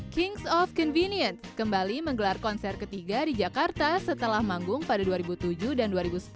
kings of convenience kembali menggelar konser ketiga di jakarta setelah manggung pada dua ribu tujuh dan dua ribu sepuluh